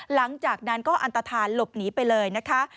หลังจากนั้นก็อันตฐานหลบหนีไปเลยนะคะ